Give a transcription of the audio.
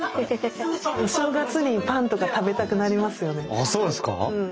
あそうですか？